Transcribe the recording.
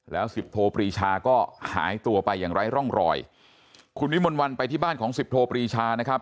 แล้วสิบโทปรีชาก็หายตัวไปอย่างไร้ร่องรอยคุณวิมนต์วันไปที่บ้านของสิบโทปรีชานะครับ